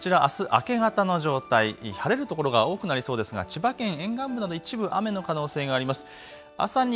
こちらあす明け方の状態、晴れる所が多くなりそうですが千葉県沿岸の一部雨の可能性があります。